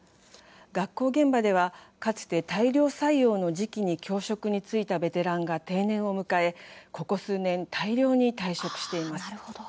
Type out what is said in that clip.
学校現場では、かつて大量採用の時期に教職についたベテランが定年を迎えここ数年、大量に退職しています。